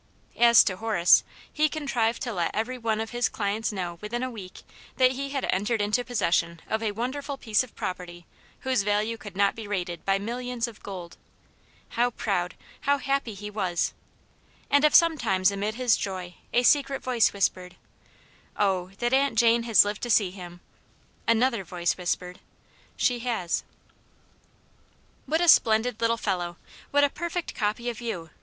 As to Horace, he contrived to let every one of his clients know within a week that he had entered into possession of a wonderful piece of property whose value could not be rated by millions of gold. How proud, how happy he was ! And if sometimes amid his joy a secret voice whispered, " Oh that Aunt Jane had iiVed to see him\" axvollA^t voice whispered, "She hasJ' Au; it Janets Hero. 253 •* What a splendid little fellow, what a perfect copy of you